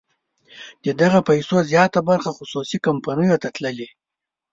د دغه پیسو زیاته برخه خصوصي کمپنیو ته تللې.